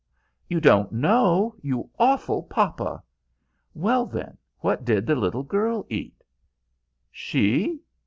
"You don't know, you awful papa! Well, then, what did the little girl eat?" "She?"